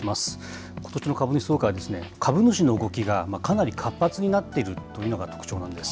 ことしの株主総会はですね、株主の動きがかなり活発になっているというのが特徴なんです。